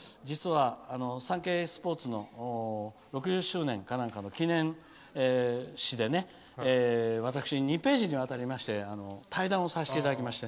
サンケイスポーツの６０周年か何かの記念紙で私に２ページにわたりまして対談をさせていただきまして。